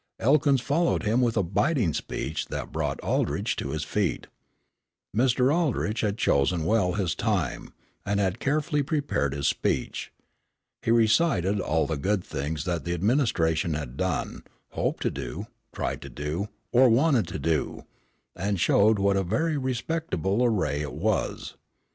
Elkins followed him with a biting speech that brought Aldrich to his feet. Mr. Aldrich had chosen well his time, and had carefully prepared his speech. He recited all the good things that the administration had done, hoped to do, tried to do, or wanted to do, and showed what a very respectable array it was.